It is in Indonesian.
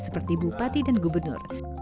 seperti bupati dan gubernur